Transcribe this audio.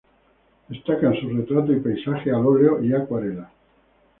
Destacan sus retratos y paisajes al óleo y acuarela.